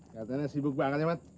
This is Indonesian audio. katanya sibuk banget ya mas